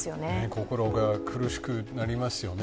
心が苦しくなりますよね。